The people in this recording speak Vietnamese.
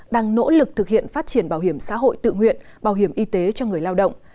đang nỗ lực thực hiện phát triển bảo hiểm xã hội tự nguyện bảo hiểm y tế cho người lao động